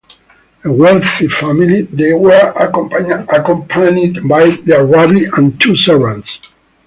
A wealthy family, they were accompanied by their rabbi and two servants.